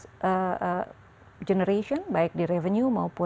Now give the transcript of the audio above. ada generation baik di revenue maupun